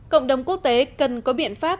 cộng đồng quốc tế cần có biện pháp